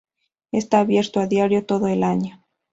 Está abierto a diario todo el año.